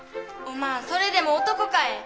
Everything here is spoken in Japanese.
おまんそれでも男かえ。